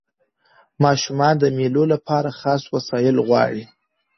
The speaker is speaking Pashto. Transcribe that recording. ماشومان د مېلو له پاره خاص وسایل غواړي.